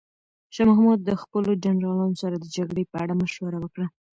شاه محمود د خپلو جنرالانو سره د جګړې په اړه مشوره وکړه.